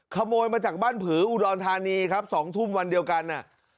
ขโมยมาจากบ้านผืออุดรธานีครับ๒ทุ่มวันเดียวกัน